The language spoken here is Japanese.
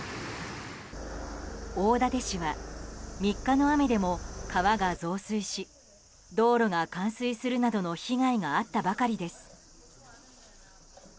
大館市は３日の雨でも川が増水し道路が冠水するなどの被害があったばかりです。